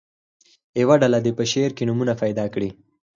یوه ډله دې په شعر کې نومونه پیدا کړي.